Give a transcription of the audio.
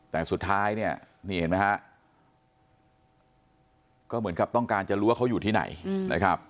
แต่สุดท้ายเนี่ยนี่เห็นไหมฮะก็เหมือนกับต้องการจะรู้ว่าเขาอยู่ที่ไหนนะครับ